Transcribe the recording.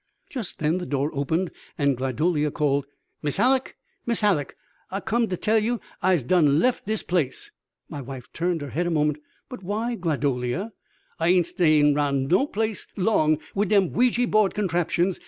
Just then the door opened and Gladolia called, "Mis' Hallock! Mis' Hallock! I've come to tell you I'se done lef' dis place." My wife turned her head a moment. "But why, Gladolia?" "I ain't stayin' round no place 'long wid dem Ouija board contraptions.